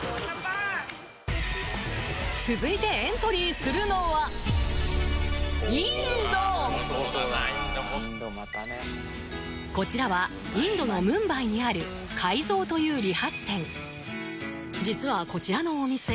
続いてエントリーするのはこちらはインドのムンバイにあるＫＡＩＺＯという理髪店実はこちらのお店